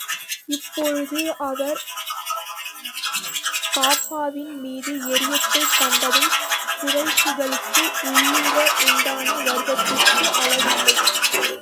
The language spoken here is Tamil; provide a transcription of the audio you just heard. இப்பொழுது அவர் கஃபாவின் மீது ஏறியதைக் கண்டதும், குறைஷிகளுக்கு உள்ளுற உண்டான வருத்தத்துக்கு அளவில்லை.